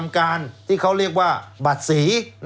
แล้วเขาก็ใช้วิธีการเหมือนกับในการ์ตูน